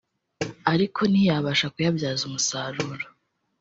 ariko ntiyabasha kuyabyaza umusaruro